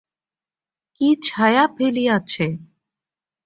কী ছায়া ফেলিয়াছে!